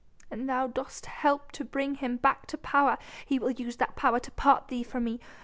an thou dost help to bring him back to power, he will use that power to part thee from me....